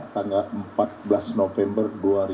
tanggal empat belas november dua ribu dua puluh